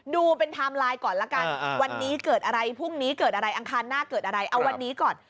ดูเป็นไทม์ไลน์ก่อนละกันวันนี้เกิดอะไรพรุ่งนี้เกิดอะไรอังคารหน้าเกิดอะไรเอาวันนี้ก่อน